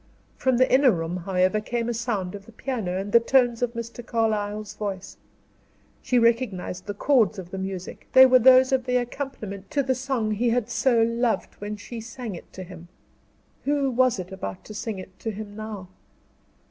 From the inner room, however, came the sound of the piano, and the tones of Mr. Carlyle's voice. She recognized the chords of the music they were those of the accompaniment to the song he had so loved when she sang it him. Who was about to sing it to him now?